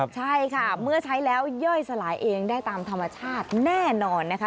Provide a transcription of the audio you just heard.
ใช่ค่ะเมื่อใช้แล้วย่อยสลายเองได้ตามธรรมชาติแน่นอนนะคะ